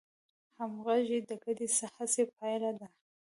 همغږي د ګډې هڅې پایله ده.